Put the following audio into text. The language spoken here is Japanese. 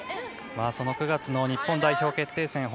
その９月の日本代表決定戦